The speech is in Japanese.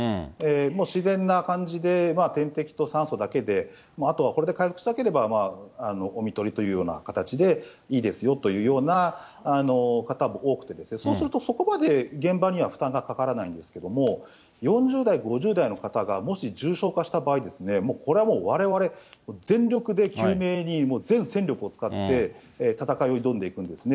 もう自然な感じで点滴と酸素だけで、あとはこれで回復しなければ、おみとりというような形でいいですよというような方も多くて、そうすると、そこまで現場には負担がかからないんですけれども、４０代、５０代の方が、もし重症化した場合、もうこれはもう、われわれ、全力で救命にもう全戦力を使って戦いを挑んでいくんですね。